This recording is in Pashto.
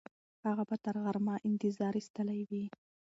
هغه به تر غرمه انتظار ایستلی وي.